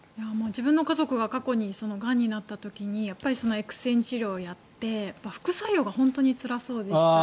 自分の家族が過去にがんになった時にやっぱりＸ線治療をやって副作用が本当につらそうでした。